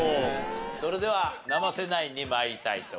それでは生瀬ナインに参りたいと思います。